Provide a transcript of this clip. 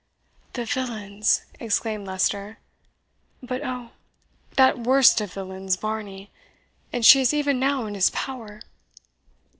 "The villains!" exclaimed Leicester; "but oh, that worst of villains, Varney! and she is even now in his power!"